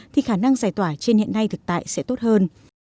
thì khả năng giải tỏa trên hiện nay thực tại sẽ tốt hơn